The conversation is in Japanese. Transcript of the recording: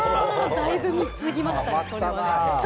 だいぶ貢ぎましたね。